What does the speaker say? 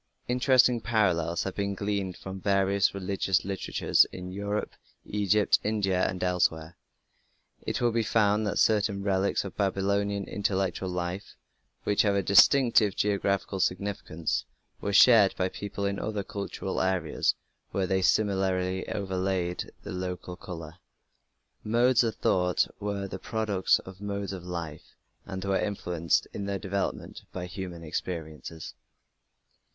Interesting parallels have been gleaned from various religious literatures in Europe, Egypt, India, and elsewhere. It will be found that certain relics of Babylonian intellectual life, which have a distinctive geographical significance, were shared by peoples in other cultural areas where they were similarly overlaid with local colour. Modes of thought were the products of modes of life and were influenced in their development by human experiences.